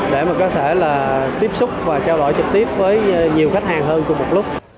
để mà có thể là tiếp xúc và trao đổi trực tiếp với nhiều khách hàng hơn cùng một lúc